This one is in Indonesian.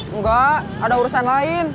enggak ada urusan lain